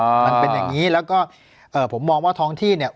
มันเป็นอย่างงี้แล้วก็เอ่อผมมองว่าท้องที่เนี่ย